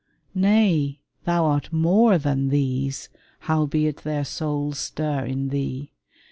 Nay ! Thou art more than these, howbeit their souls Stir in thee.